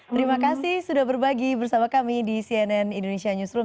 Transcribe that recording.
terima kasih sudah berbagi bersama kami di cnn indonesia newsroom